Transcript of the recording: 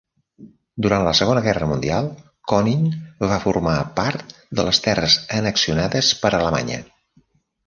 Durant la Segona Guerra Mundial Konin va formar part de les terres annexionades per Alemanya.